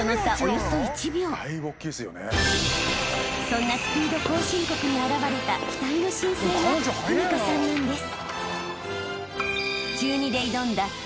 ［そんなスピード後進国に現れた期待の新星が史佳さんなんです］